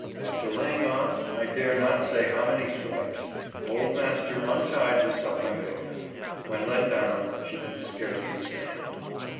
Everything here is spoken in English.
After laying on I dare not say how many stripes, old master untied his suffering victim. When let down she could scarcely stand.